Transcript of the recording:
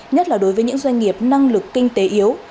nhất là đối với những doanh nghiệp năng lực kinh tế yếu